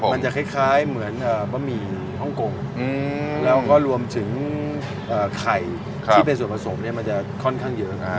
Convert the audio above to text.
มันจะคล้ายเหมือนบะหมี่ฮ่องกงแล้วก็รวมถึงไข่ที่เป็นส่วนผสมเนี่ยมันจะค่อนข้างเยอะนะ